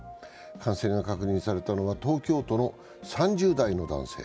感染が確認されたのは東京都の３０代の男性。